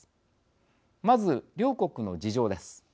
まず両国の事情です。